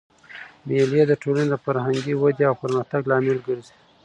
مېلې د ټولني د فرهنګي ودئ او پرمختګ لامل ګرځي.